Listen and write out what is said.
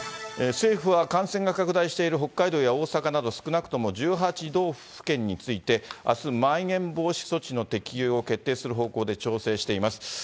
政府は感染が拡大している北海道や大阪など、少なくとも１８道府県について、あす、まん延防止措置の適用を決定する方向で調整しています。